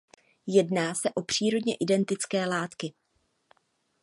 Jedná se o přírodně identické látky.